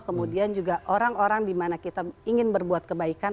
kemudian juga orang orang dimana kita ingin berbuat kebaikan